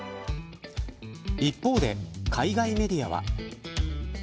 一方で、海外メディアは。